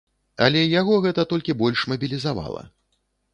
Але яго гэта толькі больш мабілізавала.